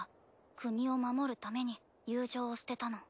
国を守るために友情を捨てたの。